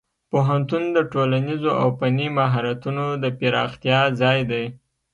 پوهنتون د ټولنیزو او فني مهارتونو د پراختیا ځای دی.